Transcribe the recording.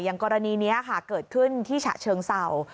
อย่างกรณีนี้เกิดขึ้นที่ฉะเชิงเศร้า